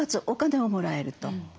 お金をもらえると。